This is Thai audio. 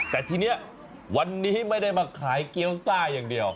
แต่ทีนี้วันนี้ไม่ได้มาขายเกี้ยวซ่าอย่างเดียว